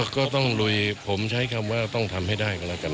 ก็ต้องลุยผมใช้คำว่าต้องทำให้ได้ก็แล้วกัน